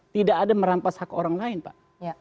tidak ada merampas hak orang lain pak